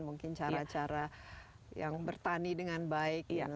mungkin cara cara yang bertani dengan baik